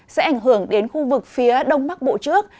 sẽ ảnh hưởng đến khu vực phía đông bắc bộ trước